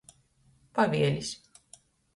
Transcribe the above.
Pavielis.